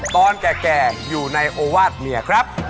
ตอนแก่อยู่ในโอวาสเมียครับ